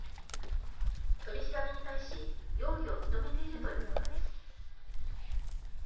取り調べに対し容疑を認めているということです。